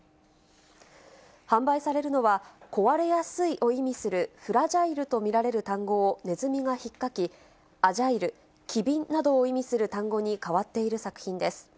販売されるのは、壊れやすいを意味するフラジャイルと見られる単語をネズミがひっかき、アジャイル、機敏などを意味する単語にかわっている作品です。